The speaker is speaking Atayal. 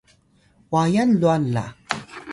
wayan lwan la!